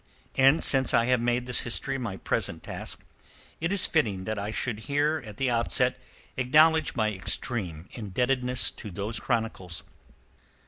And, since I have made this history my present task, it is fitting that I should here at the outset acknowledge my extreme indebtedness to those chronicles.